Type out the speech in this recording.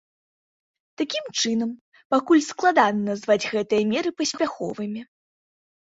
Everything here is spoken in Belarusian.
Такім чынам, пакуль складана назваць гэтыя меры паспяховымі.